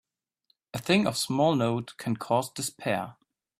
A thing of small note can cause despair.